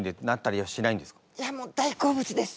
いやもう大好物です！